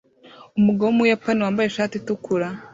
Umugabo wumuyapani wambaye ishati itukura